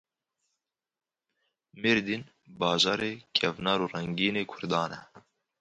Mêrdîn bajarê kevnar û rengîn ê kurdan e.